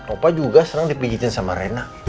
apa juga seneng dipijitin sama rena